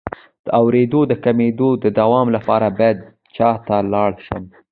د اوریدو د کمیدو د دوام لپاره باید چا ته لاړ شم؟